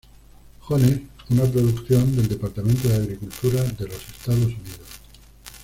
Jones", una producción del Departamento de Agricultura de los Estados Unidos.